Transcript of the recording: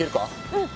うん。